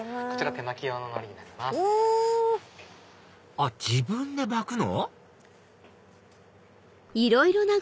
あっ自分で巻くの？